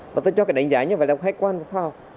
và tôi cho cái đánh giá như vậy là khách quan khoa học